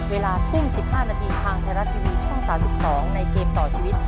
เวลาทุ่ม๑๕นาทีทางไทยรัฐทีวีช่อง๓๒ในเกมต่อชีวิต